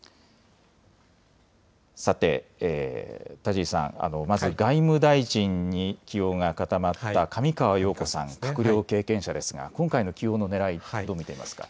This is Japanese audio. さて田尻さん、外務大臣に起用が固まった上川陽子さん、閣僚経験者ですが今回の起用のねらいはどう見ていますか。